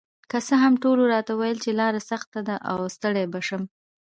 که څه هم ټولو راته ویل چې لار سخته ده او ستړې به شم،